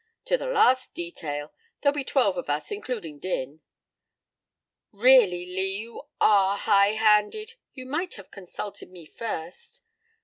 "To the last detail. There'll be twelve of us, including Din." "Really, Lee, you are high handed. You might have consulted me first."